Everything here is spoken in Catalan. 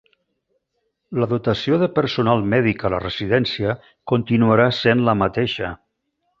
La dotació de personal mèdic a la residència continuarà sent la mateixa